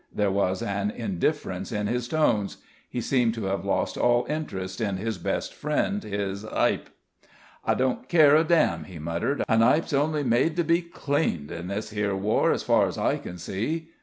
There was an indifference in his tones. He seemed to have lost all interest in his best friend, his "'ipe." "I don't care a damn," he muttered. "A nipe's only made to be cleaned in this 'ere war as far as I can see."